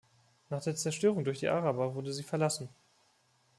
Nach der Zerstörung durch die Araber wurde sie verlassen.